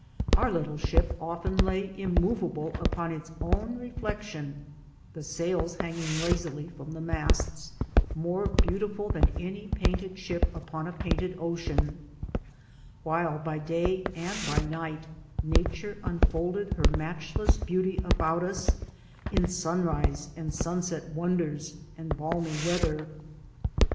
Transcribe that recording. Our little ship often lay immovable upon its own re flection, the sails hanging lazily from the masts, more beautiful than any painted ship upon a painted ocean; while by day and by night Nature unfolded her matchless beauty about us in sunrise and sunset wonders and balmy weather.